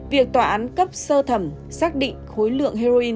việc tòa án cấp sơ thẩm xác định khối lượng heroin